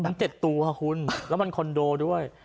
มันเต็ดตูค่ะคุณแล้วมันคอนโดด้วย